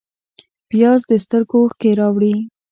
پیاز د سترګو اوښکې راوړي